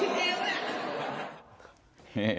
ตั้งใจไว้นั่นแต่ให้ออก๑๗แล้วกัน